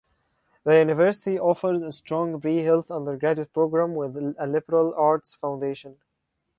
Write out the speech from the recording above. The University offers a strong pre-health undergraduate program with a liberal-arts foundation.